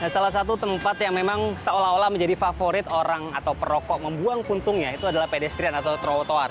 salah satu tempat yang memang seolah olah menjadi favorit orang atau perokok membuang puntungnya itu adalah pedestrian atau trotoar